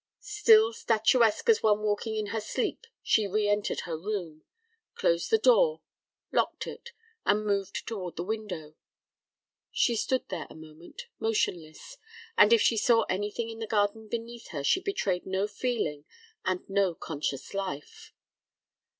Still statuesque as one walking in her sleep she re entered her room, closed the door, locked it, and moved toward the window. She stood there a moment, motionless, and if she saw anything in the garden beneath her she betrayed no feeling and no conscious life.